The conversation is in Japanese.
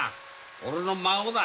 俺の孫だ。